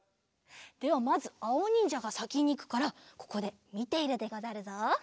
ではまずあおにんじゃがさきにいくからここでみているでござるぞ。